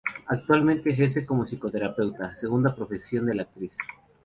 Actualmente ejerce como psicoterapeuta, segunda profesión de la actriz.